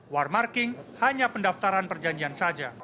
war marking hanya pendaftaran perjanjian saja